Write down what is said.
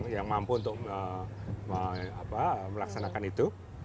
yang mampu untuk melaksanakan itu